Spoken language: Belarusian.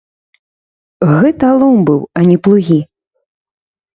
Гэта лом быў, а не плугі.